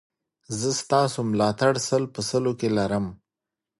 زه ستاسو ملاتړ سل په سلو کې لرم